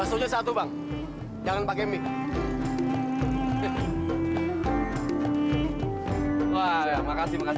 silahkan mampir mampir mas